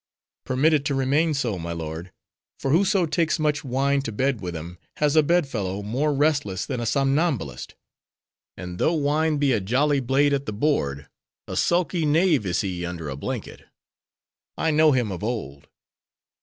"Permit it to remain so; my lord. For whoso takes much wine to bed with him, has a bedfellow, more restless than a somnambulist. And though Wine be a jolly blade at the board, a sulky knave is he under a blanket. I know him of old.